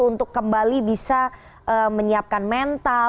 untuk kembali bisa menyiapkan mental